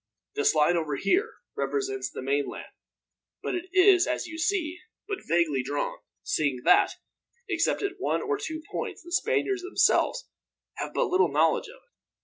This line over here represents the mainland, but it is, as you see, but vaguely drawn; seeing that, except at one or two points, the Spaniards themselves have but little knowledge of it.